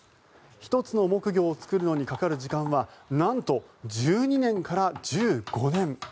１つの木魚を作るのにかかる時間はなんと１２年から１５年。